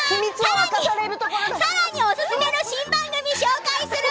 さらにおすすめの新番組を紹介する。